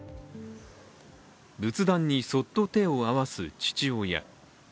仏壇にそっと手を合わす父親。